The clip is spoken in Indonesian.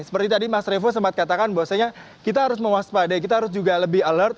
seperti tadi mas revo sempat katakan bahwasanya kita harus mewaspadai kita harus juga lebih alert